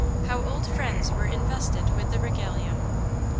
How old friends were invested with the regalia.